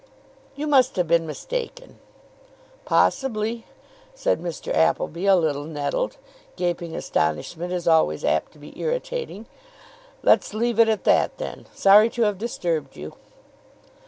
"You must have been mistaken." "Possibly," said Mr. Appleby, a little nettled. Gaping astonishment is always apt to be irritating. "Let's leave it at that, then. Sorry to have disturbed you."